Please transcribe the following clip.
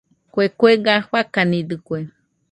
Kue kuega fakanidɨkue.